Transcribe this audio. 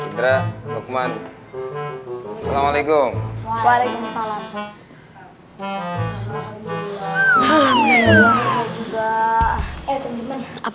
indra luqman assalamualaikum waalaikumsalam